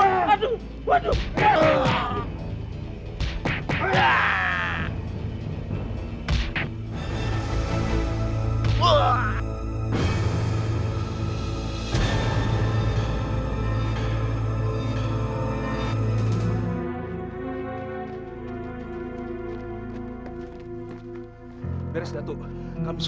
maka dia akan terus selamanya berhutang hahaha